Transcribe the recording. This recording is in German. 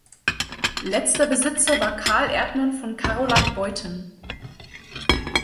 Letzter Besitzer war Carl-Erdmann von Carolath-Beuthen.